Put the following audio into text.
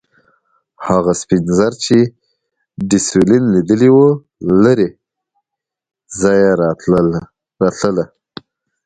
هغه سپین زر چې ډي سولس لیدلي وو له لرې ځایه راتلل.